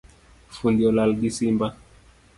Fundi olal gi simba